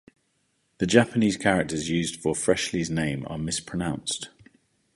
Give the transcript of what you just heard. The Japanese characters used for Frehley's name are mispronounced.